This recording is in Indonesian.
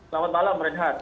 selamat malam renhar